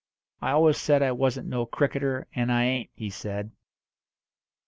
"I always said I wasn't no cricketer, and I ain't," he said.